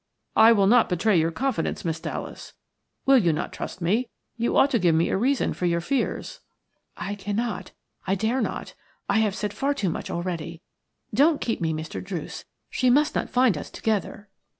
"I will not betray your confidence, Miss Dallas. Will you not trust me? You ought to give me a reason for your fears." "I cannot – I dare not; I have said far too much already. Don't keep me, Mr. Druce. She must not find us together."